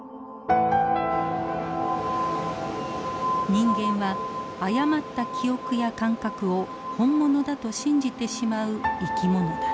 人間は誤った記憶や感覚を本物だと信じてしまう生き物だ。